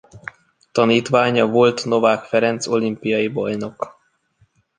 Tanítványa volt Novák Ferenc olimpiai bajnok.